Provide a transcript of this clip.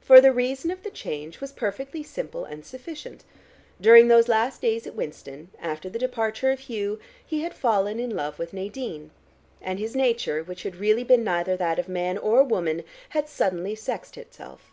For the reason of the change was perfectly simple and sufficient: during those last days at Winston, after the departure of Hugh, he had fallen in love with Nadine, and his nature, which had really been neither that of man or woman, had suddenly sexed itself.